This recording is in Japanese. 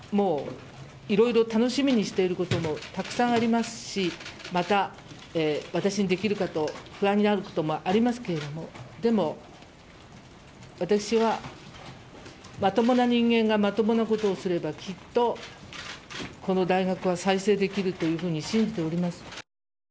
いろいろ楽しみにしていることもたくさんありますしまた、私にできること不安になることもありますけどもでも、私はまともな人間がまともなことをすればきっとこの大学は再生できると信じております。